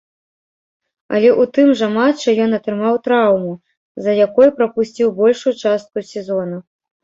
Але ў тым жа матчы ён атрымаў траўму, з-за якой прапусціў большую частку сезона.